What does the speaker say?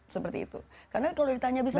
seperti itu karena kalau ditanya bisa